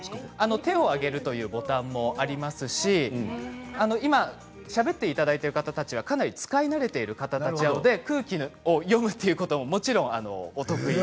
手を上げるというボタンもありますし今しゃべっていただいてる方たちはかなり使い慣れている方たちなので空気を読むということももちろんお得意で。